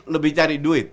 lebih cari duit